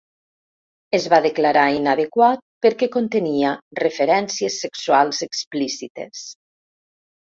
Es va declarar inadequat perquè contenia referències sexuals explícites.